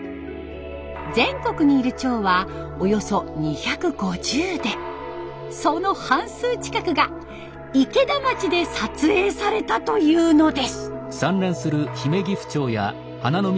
全国にいるチョウはおよそ２５０でその半数近くが池田町で撮影されたというのです。